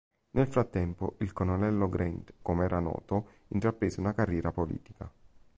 Nel frattempo, il "Colonnello Grant", come era noto, intraprese una carriera politica.